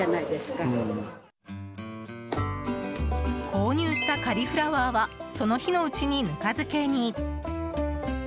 購入したカリフラワーはその日のうちに、ぬか漬けに。